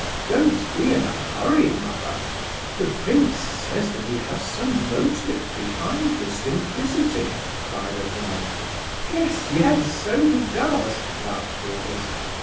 "Don't be in a hurry, mother; the prince says that he has some motive behind his simplicity," cried Aglaya. "Yes, yes, so he does," laughed the others.